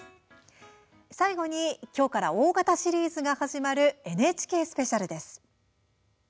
最後に、今日から大型シリーズが始まるＮＨＫスペシャルです。